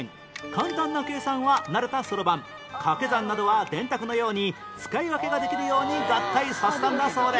簡単な計算は慣れたそろばん掛け算などは電卓のように使い分けができるように合体させたんだそうです